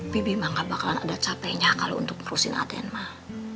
bebe mah gak bakalan ada capeknya kalau untuk kerusin aden mah